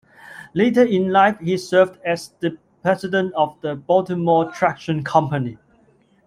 Later in life he served as the President of the Baltimore Traction Company.